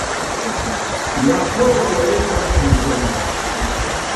La porko estas manĝonta.